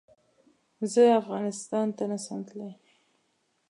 زه افغانستان ته نه سم تلی